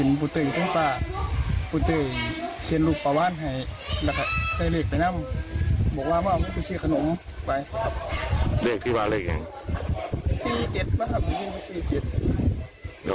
น้องที่วาเลขต้นเล็งเขาหลียกไปเต็มโฉ่่ะ